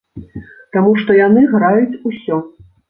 Таму што яны граюць усё.